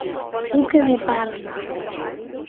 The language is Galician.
Duque de Parma.